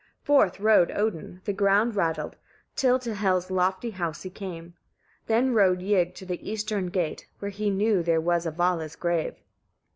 8. Forth rode Odin the ground rattled till to Hel's lofty house he came. Then rode Ygg to the eastern gate, where he knew there was a Vala's grave.